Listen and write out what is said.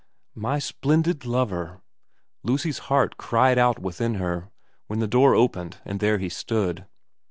' My splendid lover !' Lucy's heart cried out within her when the door opened and there he stood.